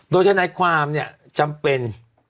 โดยทนายความเนี่ยจำเป็น